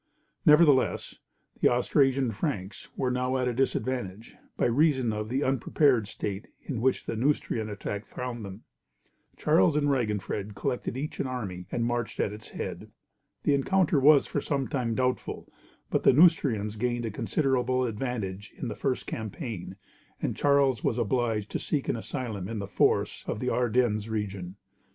Nevertheless, the Austrasian Franks were now at a disadvantage, by reason of the unprepared state in which the Neustrian attack found them. Charles and Raginfred collected each an army, and marched at its head. The encounter was for some time doubtful, but the Neustrians gained a considerable advantage in the first campaign, and Charles was obliged to seek an asylum in the forests of the Ardennes region.